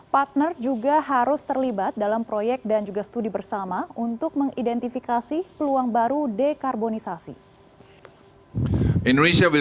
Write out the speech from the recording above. partner juga harus terlibat dalam proyek dan juga studi bersama untuk mengidentifikasi peluang baru dekarbonisasi